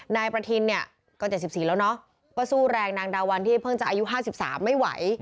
นายประทินเนี่ยก็เจ็บสิบสี่แล้วเนอะก็สู้แรงนางดาวัลที่เพิ่งจะอายุห้าสิบสามไม่ไหว